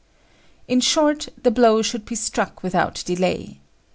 In short, the blow should be struck without delay.